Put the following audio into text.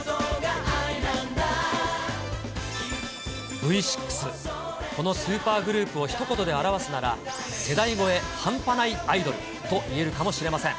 Ｖ６、このスーパーグループをひと言で表すなら、世代超え半端ないアイドルといえるかもしれません。